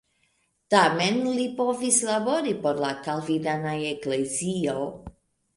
Tamen li povis labori por la kalvinana eklezio.